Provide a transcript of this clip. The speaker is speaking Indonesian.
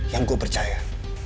yang gue percaya